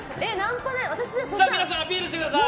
皆さん、アピールしてください。